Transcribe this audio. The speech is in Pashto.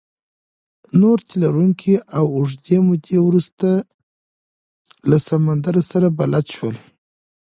نور تي لرونکي له اوږدې مودې وروسته له سمندر سره بلد شول.